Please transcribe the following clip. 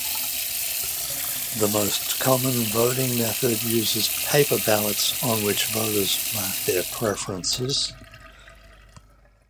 The most common voting method uses paper ballots on which voters mark their preferences.